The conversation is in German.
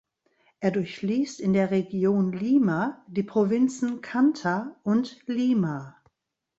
Er durchfließt in der Region Lima die Provinzen Canta und Lima.